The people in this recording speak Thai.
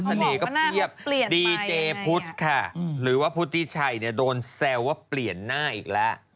เสน่ห์ก็เพียบดีเจพุทธค่ะหรือว่าพุทธิชัยเนี่ยโดนแซวว่าเปลี่ยนหน้าอีกแล้ว